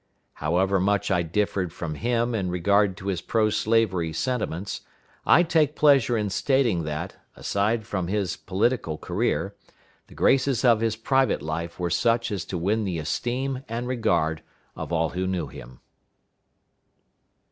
However much I differed from him in regard to his pro slavery sentiments, I take pleasure in stating that, aside from his political career, the graces of his private life were such as to win the esteem and regard of all who knew him.